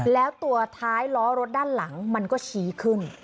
แล้วตัวท้ายล้อรถด้านหลังมันก็ชี้ขึ้น